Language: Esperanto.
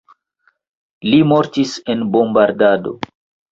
Li mortis en bombardado.